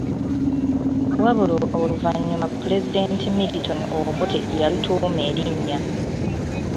Wabula oluvannyuma Pulezidenti Milton Obote yalutuuma erinnya.